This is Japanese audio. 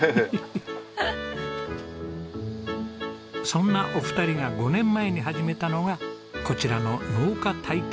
そんなお二人が５年前に始めたのがこちらの農家体験民宿。